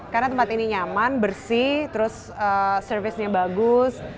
karena tempat ini nyaman bersih terus servisnya bagus